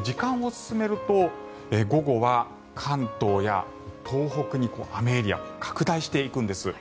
時間を進めると午後は関東や東北に雨エリア、拡大していくんです。